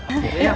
ya mari yuk